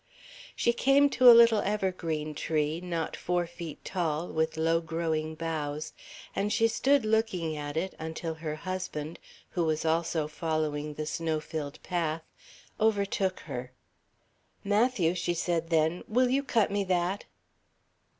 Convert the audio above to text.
She came to a little evergreen tree, not four feet tall, with low growing boughs, and she stood looking at it until her husband, who was also following the snow filled path, overtook her. "Matthew," she said then, "will you cut me that?"